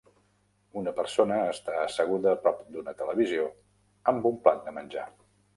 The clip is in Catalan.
Una persona està asseguda a prop d'una TV amb un plat de menjar.